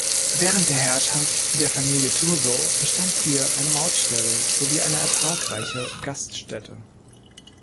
Während der Herrschaft der Familie Thurzo bestand hier eine Mautstelle sowie eine ertragreiche Gaststätte.